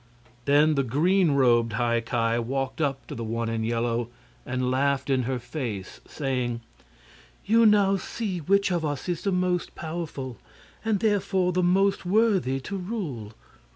Then the green robed High Ki walked up to the one in yellow and laughed in her face, saying: "You now see which of us is the most powerful, and therefore the most worthy to rule.